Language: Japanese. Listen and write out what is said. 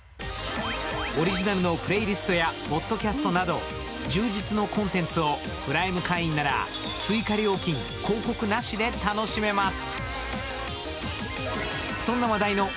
オリジナルのプレイリストやポッドキャストなど充実のコンテンツをプライム会員なら追加料金・広告なしで楽しめます